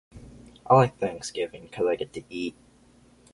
I like Thanksgiving cuz I get to eat.